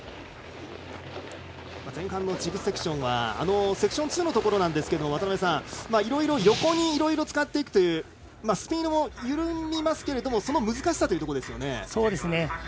前半のジブセクションはセクション２のところなんですが渡辺さん、いろいろ横に使っていくというスピードも緩みますけどその難しさというところですね。